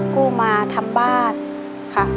กู้มาทำบ้านค่ะ